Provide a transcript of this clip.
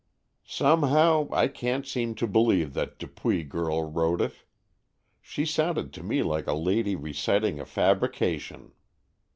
"Somehow, I can't seem to believe that Dupuy girl wrote it. She sounded to me like a lady reciting a fabrication."